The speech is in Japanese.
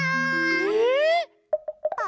えっ！